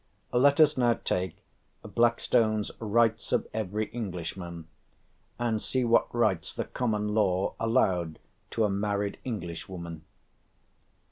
Let us now take Blackstone's "rights of every Englishman," and see what rights the common law allowed to a married Englishwoman.